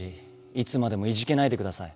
いつまでもイジけないでください。